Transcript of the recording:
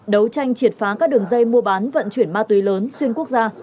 đấu tranh triệt phá các đường dây mua bán vận chuyển ma túy lớn xuyên quốc gia